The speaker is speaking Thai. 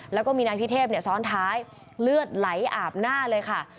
แล้วก็มีนายพิเทพซ้อนท้ายเลือดไหลอาบหน้าเลยค่ะ